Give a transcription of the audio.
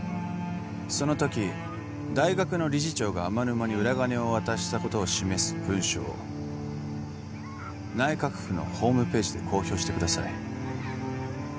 その時大学の理事長が天沼に裏金を渡したことを示す文書を内閣府のホームページで公表してください